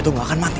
itu gak akan mati